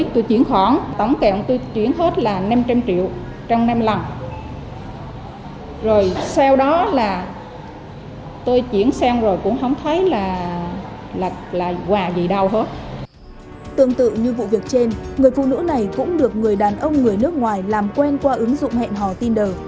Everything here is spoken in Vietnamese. tương tự như vụ việc trên người phụ nữ này cũng được người đàn ông người nước ngoài làm quen qua ứng dụng hẹn hò tind